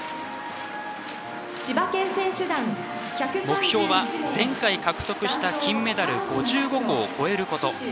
目標は前回獲得した金メダル５５個を超えること。